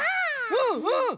うんうん！